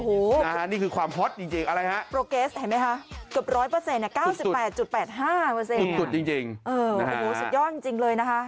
โอ้โหนี่คือความฮอตจริงอะไรฮะโปรเกสเห็นไหมคะเกือบ๑๐๐๙๘๘๕สุดจริงโอ้โหสุดยอดจริงเลยนะคะ